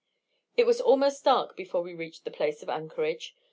It was almost dark before we reached the place of anchorage.